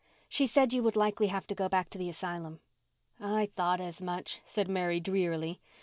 "She said you would likely have to go back to the asylum." "I thought as much," said Mary drearily.